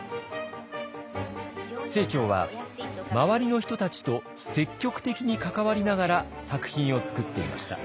清張は周りの人たちと積極的に関わりながら作品を作っていました。